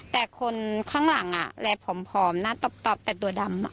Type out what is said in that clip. แต่คนข้างหลังอะไรผอมหน้าต๊อบแต่ตัวดำ